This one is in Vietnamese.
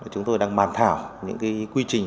chúng tôi đang bàn thảo những quy trình